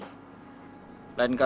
lain kali kalau fina kasih kamu perintah